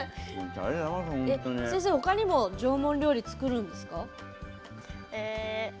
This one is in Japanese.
先生、他にも縄文料理作るんですか？